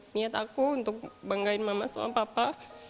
niat aku untuk banggain mama sama papa